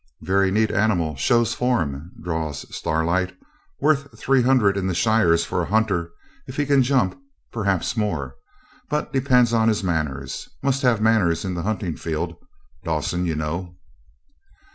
'Very neat animal, shows form,' drawls Starlight. 'Worth three hundred in the shires for a hunter; if he can jump, perhaps more; but depends on his manners must have manners in the hunting field, Dawson, you know.'